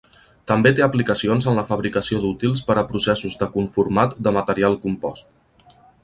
També té aplicacions en la fabricació d'útils per a processos de conformat de material compost.